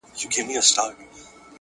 جهاني زما چي په یادیږي دا جنت وطن وو-